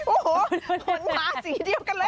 โอ้โหคนมาสีเดียวกันเลย